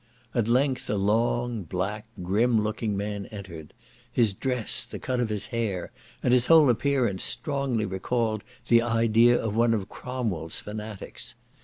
At length, a long, black, grim looking man entered; his dress, the cut of his hair, and his whole appearance, strongly recalled the idea of one of Cromwell's fanatics.